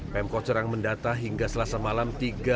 pemkot serang mendata hingga selasa malam